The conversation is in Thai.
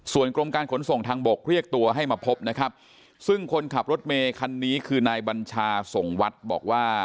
ส่วนกรมการขนส่งทางบกเรียกตัวให้มาพบนะครับซึ่งคนขับรถเมคันนี้คือนายบัญชาส่งวัดบอกว่า